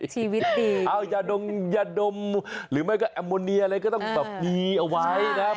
ใช่อย่าดมหรือไม่ก็แอมโมเนียอะไรก็ต้องแบบนี้เอาไว้นะครับ